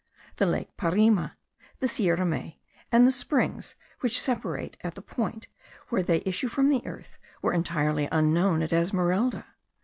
The lake Parima, the Sierra Mey, and the springs which separate at the point where they issue from the earth, were entirely unknown at Esmeralda.